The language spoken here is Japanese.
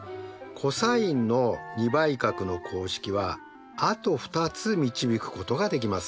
コサインの２倍角の公式はあと２つ導くことができます。